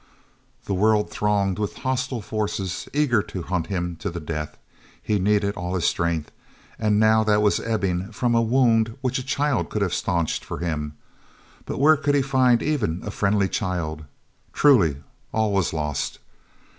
The world thronged with hostile forces eager to hunt him to the death. He needed all his strength, and now that was ebbing from a wound which a child could have staunched for him, but where could he find even a friendly child? Truly all was lost!